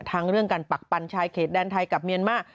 เรื่องการปักปันชายเขตแดนไทยกับเมียนมาร์